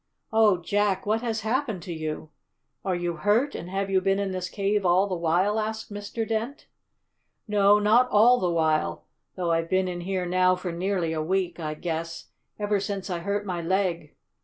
"Oh, Jack, what has happened to you? Are you hurt, and have you been in this cave all the while?" asked Mr. Dent. "No, not all the while, though I've been in here now for nearly a week, I guess, ever since I hurt my leg.